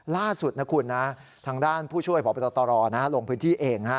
ล่าสุดนะคุณนะทางด้านผู้ช่วยพบตรลงพื้นที่เอง